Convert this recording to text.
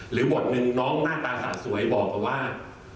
หรือบทนึงน้องหน้าตาสะสวยบอกว่า